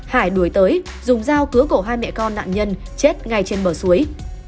hải đuổi tới dùng dao cứa cổ hai mẹ con nạn nhân chết ngay trên bờ suối